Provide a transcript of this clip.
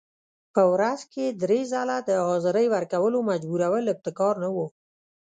په ورځ کې درې ځله د حاضرۍ ورکولو مجبورول ابتکار نه و.